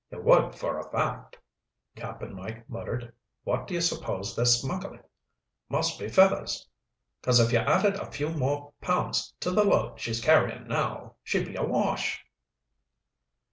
"You would for a fact," Cap'n Mike muttered. "What do you suppose they're smuggling? Must be feathers. 'Cause if you added a few more pounds to the load she's carrying now, she'd be awash."